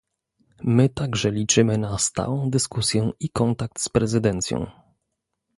My także liczymy na stałą dyskusję i kontakt z prezydencją